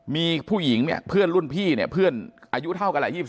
มีผู้หญิงเนี่ยเพื่อนรุ่นพี่เนี่ยเพื่อนอายุเท่ากันแหละ